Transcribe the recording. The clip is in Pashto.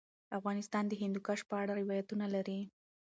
افغانستان د هندوکش په اړه روایتونه لري.